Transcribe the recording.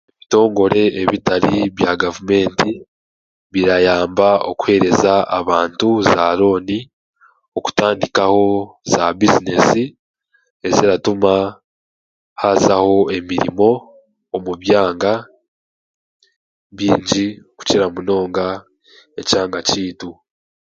Ebitongore ebitari bya gavumenti birayamba okuheereza abantu zaarooni okutandikaho za bizineesi eziratuma haazaho emirimo omu byanga bingi okukira munonga ekyanga kyaitu.